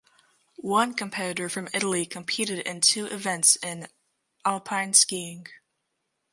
One competitor from Italy competed in two events in alpine skiing.